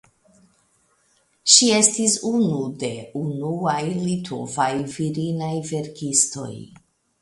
Ŝi estis unu de unuaj litovaj virinaj verkistoj.